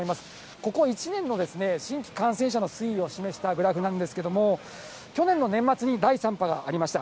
ここ１年の新規感染者の推移を示したグラフなんですけれども、去年の年末に第３波がありました。